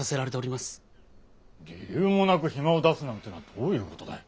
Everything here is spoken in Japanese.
理由もなく暇を出すなんてのはどういうことだい？